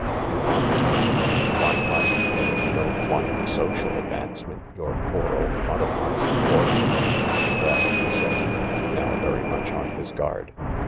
You want time, and you want money, and if you don't want social advancement your poor old mother wants it for you," " Well ?" he said, now very much on his guard.